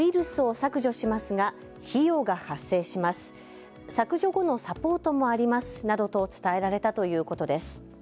削除後のサポートもありますなどと伝えられたということです。